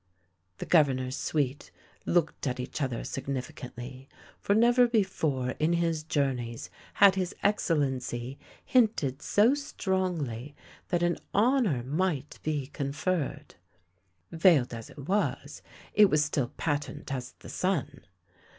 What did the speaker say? The Governor's suite looked at each other signifi cantly, for never before in his journeys had His Excel lency hinted so strongly that an honour might be con ferred. Veiled as it was, it was still patent as the sun.